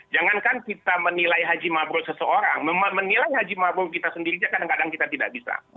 jangankan kita menilai haji mabrur seseorang menilai haji mabrul kita sendirinya kadang kadang kita tidak bisa